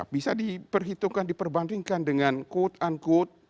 bisa diperhitungkan diperbandingkan dengan quote unquote